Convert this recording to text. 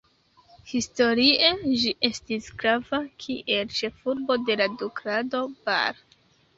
Historie ĝi estis grava kiel ĉefurbo de la duklando Bar.